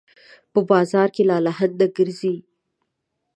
په بازار کې لالهانده ګرځي